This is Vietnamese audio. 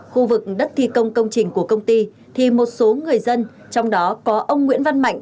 khu vực đất thi công công trình của công ty thì một số người dân trong đó có ông nguyễn văn mạnh